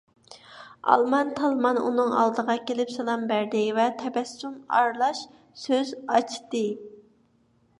ئالمان - تالمان ئۇنىڭ ئالدىغا كېلىپ سالام بەردى ۋە تەبەسسۇم ئارىلاش سۆز ئاچتى: